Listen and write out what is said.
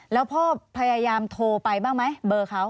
แล้วพ่อพยายามโทรไปบ้างไหมเบอร์เขา